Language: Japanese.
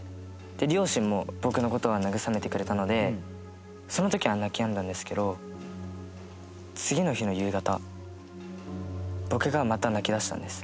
両親も僕の事を慰めてくれたのでその時は泣きやんだんですけど次の日の夕方僕がまた泣きだしたんです。